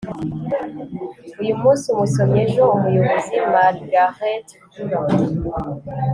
uyu munsi umusomyi, ejo umuyobozi. - margaret fuller